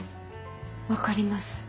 分かります？